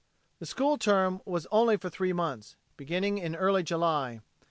The school term was only for three months, beginning early in July.